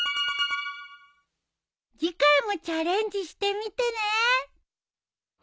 次回もチャレンジしてみてね。